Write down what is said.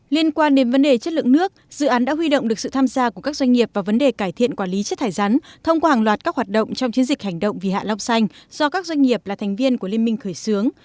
liên quan đến vấn đề chất lượng nước dự án đã huy động được sự tham gia của các doanh nghiệp vào vấn đề cải thiện quản lý chất thải rắn thông qua hàng loạt các hoạt động trong chiến dịch hành động vì hạ long xanh do các doanh nghiệp là thành viên của liên minh khởi xướng